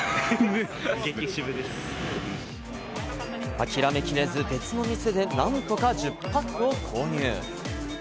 諦めきれず、別の店でなんとか１０パックを購入。